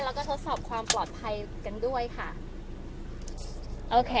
แล้วก็ทดสอบความปลอดภัยกันด้วยค่ะ